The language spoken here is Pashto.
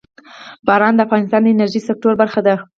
باران د افغانستان د انرژۍ سکتور برخه ده.